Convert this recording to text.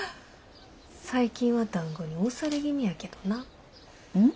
最近はだんごに押され気味やけどな。